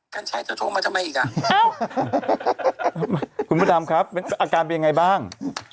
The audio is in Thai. ท่านชายจะโทรมาทำไมอีกอ่ะคุณมดามครับอาการเป็นอย่างไรบ้าง